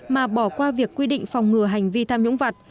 mà bỏ qua việc quy định phòng ngừa